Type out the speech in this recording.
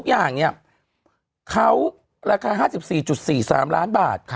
ราคา๕๔๔๓ล้านบาท